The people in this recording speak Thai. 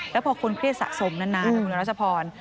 แล้วพอคนเครียดสะสมนานนะคุณรัชพร